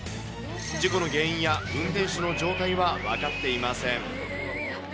事故の原因や運転手の状態は分かっていません。